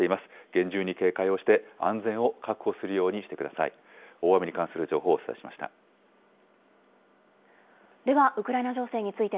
厳重に警戒をして安全を確保するようにしてください。